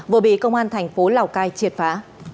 vừa bị công an thành phố lào cai triệt phá